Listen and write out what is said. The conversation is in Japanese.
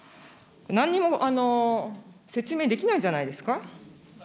なんにも説明できないじゃないですか。